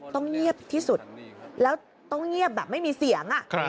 ต้องเงียบที่สุดแล้วต้องเงียบแบบไม่มีเสียง